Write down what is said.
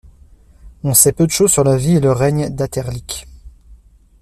On sait peu de choses sur la vie et le règne d'Æthelric.